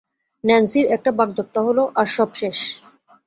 ন্যান্সির একটা বাগদত্তা হলো আর সব শেষ।